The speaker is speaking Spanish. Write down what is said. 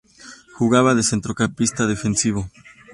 Jugaba de centrocampista defensivo.